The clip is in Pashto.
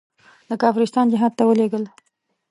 د کافرستان جهاد ته ولېږل.